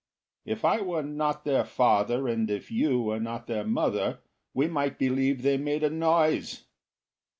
If I were not their father and if you were not their mother, We might believe they made a noise.